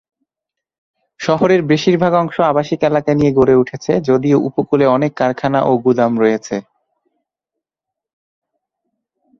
শহরের বেশিরভাগ অংশ আবাসিক এলাকা নিয়ে গড়ে উঠেছে, যদিও উপকূলে অনেক কারখানা ও গুদাম রয়েছে।